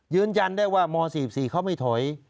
ยืนยันได้ว่าม๔๔เขาไม่ถอย